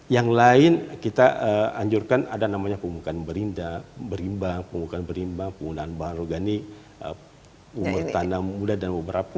yang lain kita anjurkan ada namanya pembukaan berimbang pembukaan berimbang penggunaan bahan organik umur tanam muda dan umur rapuh